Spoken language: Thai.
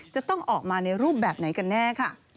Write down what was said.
จะต้องออกมาในรูปแบบไหนกันแน่ค่ะ